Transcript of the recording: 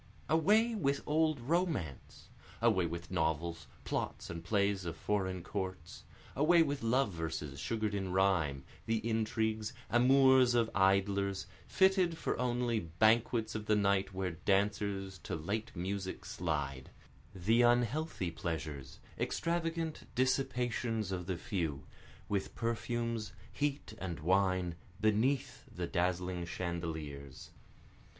Away with old romance! Away with novels, plots and plays of foreign courts, Away with love verses sugar'd in rhyme, the intrigues, amours of idlers, Fitted for only banquets of the night where dancers to late music slide, The unhealthy pleasures, extravagant dissipations of the few, With perfumes, heat and wine, beneath the dazzling chandeliers.